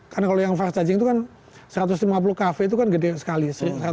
karena kalau yang fast charging itu kan satu ratus lima puluh kv itu kan gede sekali